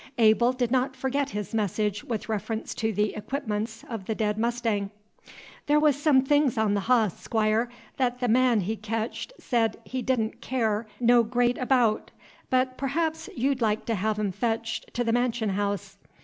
Abel did not forget his message with reference to the equipments of the dead mustang. "The' was some things on the hoss, Squire, that the man he ketched said he did n' care no gre't abaout; but perhaps you'd like to have 'em fetched to the mansion haouse.